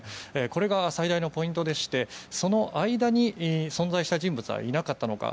これが、最大のポイントでしてその間に存在した人物はいなかったのか。